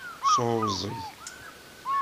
Sɛuẓẓgeɣ.